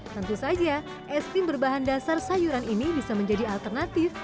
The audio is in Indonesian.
tentu saja es krim berbahan dasar sayuran ini bisa menjadi alternatif